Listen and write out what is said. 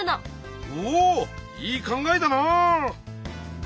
おいい考えだなあ！